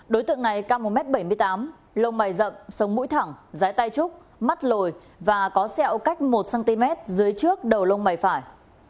đối tượng này ca một m bảy mươi tám lông mày rậm sông mũi thẳng rái tay trúc mắt lồi và có xẹo cách một cm dưới trước đầu lông mày phải